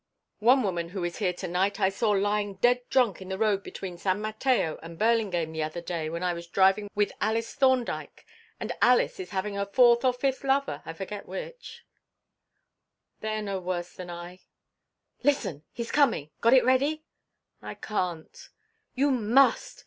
One woman who is here to night I saw lying dead drunk in the road between San Mateo and Burlingame the other day when I was driving with Alice Thorndyke, and Alice is having her fourth or fifth lover, I forget which " "They are no worse than I." "Listen. He's coming. Got it ready?" "I can't." "You must.